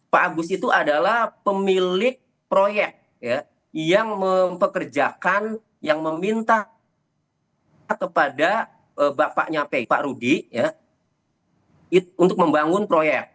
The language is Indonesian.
pak agus itu adalah pemilik proyek yang mempekerjakan yang meminta kepada bapaknya pak rudi untuk membangun proyek